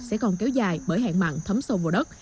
sẽ còn kéo dài bởi hạn mặn thấm sâu vào đất